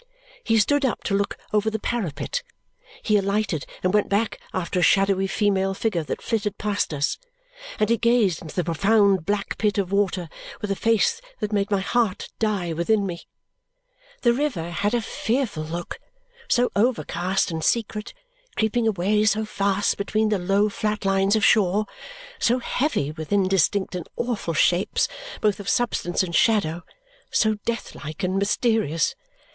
He stood up to look over the parapet, he alighted and went back after a shadowy female figure that flitted past us, and he gazed into the profound black pit of water with a face that made my heart die within me. The river had a fearful look, so overcast and secret, creeping away so fast between the low flat lines of shore so heavy with indistinct and awful shapes, both of substance and shadow; so death like and mysterious.